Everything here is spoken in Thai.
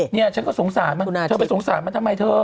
เนี่ยฉันก็สงสารมันเธอไปสงสารมันทำไมเธอ